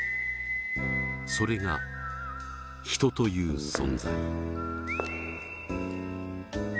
それが人という存在。